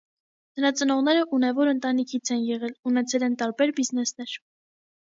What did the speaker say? Նրա ծնողները ունևոր ընտանիքից են եղել, ունեցել են տարբեր բիզնեսներ։